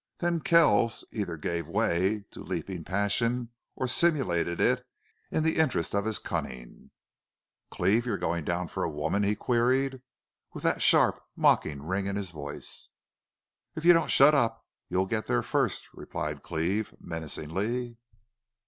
Then Kells either gave way to leaping passion or simulated it in the interest of his cunning. "Cleve, you're going down for a woman?" he queried, with that sharp, mocking ring in his voice. "If you don't shut up you'll get there first," replied Cleve, menacingly.